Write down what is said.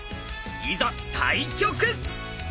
いざ対局！